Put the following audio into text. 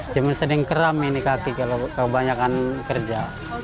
jam ini sering keram ini kaki kalau kebanyakan kerja